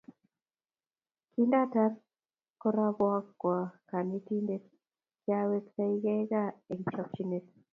Kindatar korabkwo kanetindet, kiawektekei kaa eng chokchet